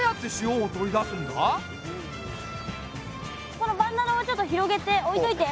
そのバンダナをちょっと広げて置いといて。